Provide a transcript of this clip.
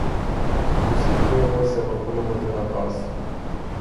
Усі кинулися виконувати наказ.